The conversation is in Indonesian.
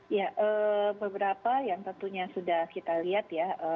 ya beberapa yang tentunya sudah kita lihat ya